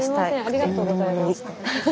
ありがとうございます。